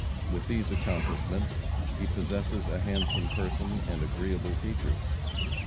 With these accomplishments, he possesses a handsome person and agreeable features.